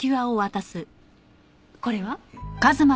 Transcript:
これは？